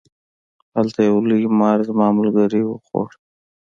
هلته یو لوی مار زما ملګری و خوړ.